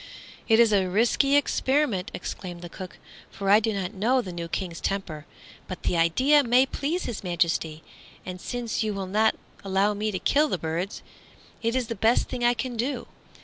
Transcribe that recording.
"It is a risky experiment," exclaimed the cook, "for I do not know the new King's temper. But the idea may please His Majesty, and since you will not allow me to kill the birds, it is the best thing I can do.